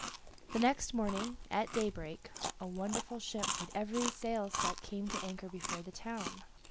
The next morning, at daybreak, a wonderful ship with every sail set came to anchor before the town.